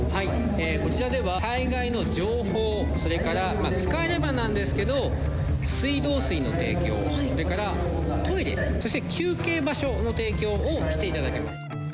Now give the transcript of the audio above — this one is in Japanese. こちらでは災害の情報、それから、使えればなんですけど、水道水の提供、それからトイレ、そして休憩場所の提供をしていただける。